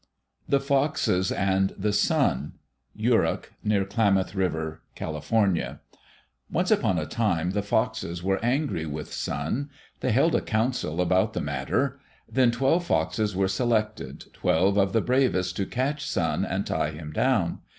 The Foxes and the Sun Yurok (near Klamath River, Cal.) Once upon a time, the Foxes were angry with Sun. They held a council about the matter. Then twelve Foxes were selected twelve of the bravest to catch Sun and tie him down.